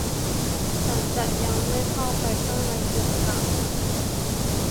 ฉันจะยังไม่เข้าไปข้างในอีกครั้ง